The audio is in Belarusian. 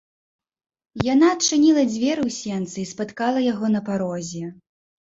Яна адчыніла дзверы ў сенцы і спаткала яго на парозе.